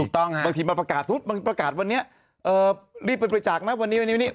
บางทีมาประกาศสมมุติบางประกาศวันนี้รีบไปบริจาคนะวันนี้วันนี้